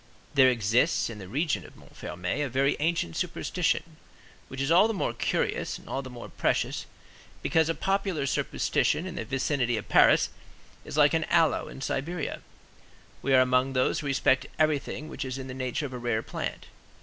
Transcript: There exists in the region of Montfermeil a very ancient superstition, which is all the more curious and all the more precious, because a popular superstition in the vicinity of Paris is like an aloe in Siberia. We are among those who respect everything which is in the nature of a rare plant.